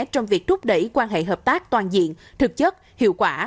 trong việc rút đẩy quan hệ hợp tác toàn diện thực chất hiệu quả